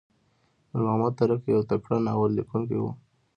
نورمحمد ترهکی یو تکړه ناوللیکونکی وو.